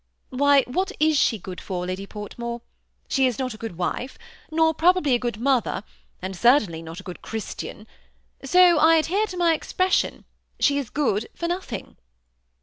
" Why, what is she good for. Lady Portmore ? She is not a good wife, nor probably a good mother, and certainly not a good Christian; so I adhere to my expression, she is good for nothing."